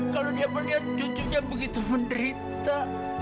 kalau dia melihat cucunya begitu menderita